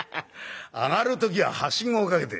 上がる時ははしごをかけて」。